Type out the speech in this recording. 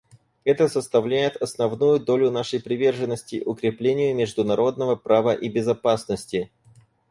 Это составляет основную долю нашей приверженности укреплению международного права и безопасности.